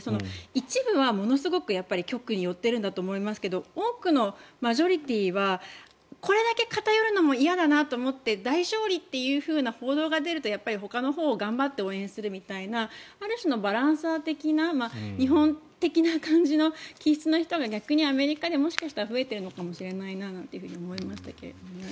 一部はものすごく極によってるんだと思いますが多くのマジョリティーはこれだけ偏るのも嫌だなと思って大勝利というふうな報道が出るとほかのほうを頑張って応援するみたいなある種のバランサー的な日本的な感じの気質の人が逆にアメリカではもしかしたら増えてるのかななんて思いましたけど。